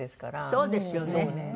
そうですよね。